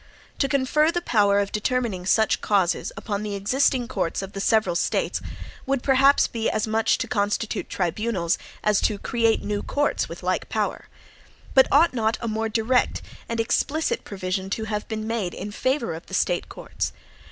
To confer the power of determining such causes upon the existing courts of the several States, would perhaps be as much "to constitute tribunals," as to create new courts with the like power. But ought not a more direct and explicit provision to have been made in favor of the State courts?